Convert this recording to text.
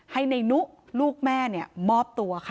ให้ในนุลูกแม่มอบตัวค่ะ